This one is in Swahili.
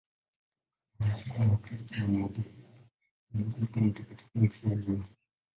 Tangu kale anaheshimiwa na Wakristo wa madhehebu mbalimbali kama mtakatifu mfiadini.